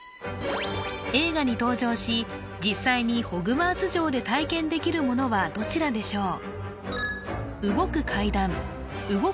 映画に登場し実際にホグワーツ城で体験できるものはどちらでしょう